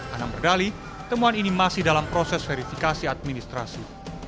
anam berdali temuan ini masih dalam proses verifikasi administrasi